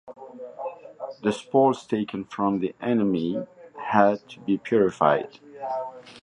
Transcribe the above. The spoils taken from the enemy had to be purified.